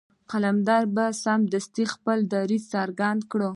قلندر به سمدستي خپل دريځ څرګند کړ.